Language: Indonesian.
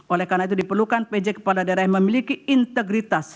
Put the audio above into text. oleh karena itu diperlukan pj kepala daerah yang memiliki integritas